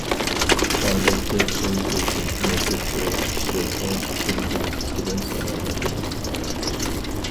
ئادەتتە توي- تۆكۈن، نەزىر- چىراغ ئىشلىرىغا پۈتۈن كەنتتىكىلەر سالامغا كېلەتتى.